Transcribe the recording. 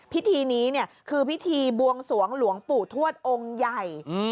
พิธีนี้เนี่ยคือพิธีบวงสวงหลวงปู่ทวดองค์ใหญ่